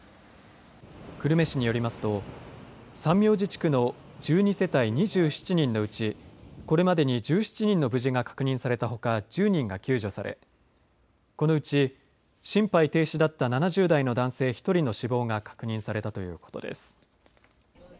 久留米市によりますと三明寺地区の１２世帯２７人のうちこれまでに１７人の無事が確認されたほか１０人が救助されこのうち心肺停止だった７０代の男性１人の死亡が確認されたということです。